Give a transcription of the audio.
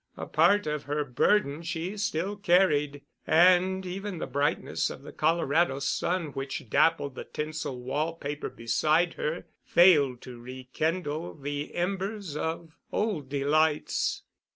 A part of her burden she still carried, and even the brightness of the Colorado sun, which dappled the tinsel wall paper beside her, failed to rekindle the embers of old delights.